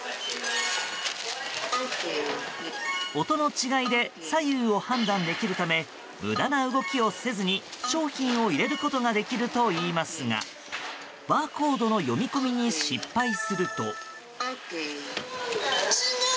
音の違いで左右を判断できるため無駄な動きをせずに商品を入れることができるといいますがバーコードの読み込みに失敗すると。